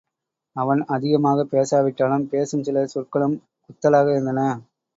அவன் அதிகமாகப் பேசாவிட்டாலும், பேசும் சில சில சொற்களும் குத்தலாக இருந்தன.